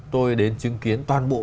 tôi đến chứng kiến toàn bộ